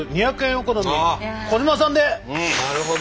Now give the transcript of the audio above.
なるほど！